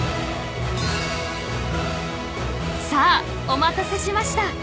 さあ、お待たせしました。